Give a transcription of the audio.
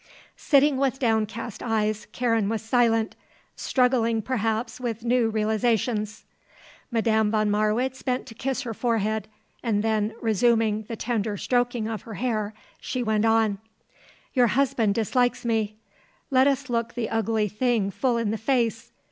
Sitting with downcast eyes, Karen was silent, struggling perhaps with new realisations. Madame von Marwitz bent to kiss her forehead and then, resuming the tender stroking of her hair, she went on: "Your husband dislikes me. Let us look the ugly thing full in the face.